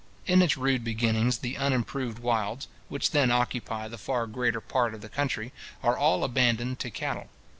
In its rude beginnings, the unimproved wilds, which then occupy the far greater part of the country, are all abandoned to cattle.